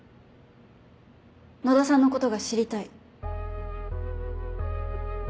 野田さんのことが知りたい。